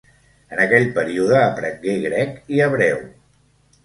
En aquell període aprengué grec i hebreu.